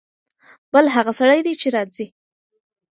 بل هغه سړی دی چې راځي.